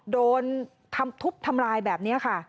โดนทำทุบทำลายแบบนี้ค่ะ